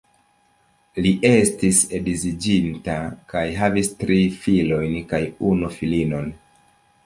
Li estis edziĝinta kaj havis tri filojn kaj unu filinon.